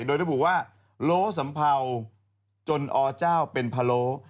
โดยระบุว่าโล้สัมเภาจนอเจ้าเป็นพะโล